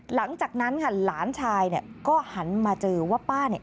หลังจากนั้นค่ะหลานชายเนี่ยก็หันมาเจอว่าป้าเนี่ย